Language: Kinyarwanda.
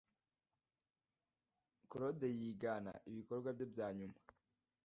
Korode yigana ibikorwa bye bya nyuma